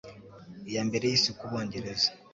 iya Mbere y'Isi ku Bongereza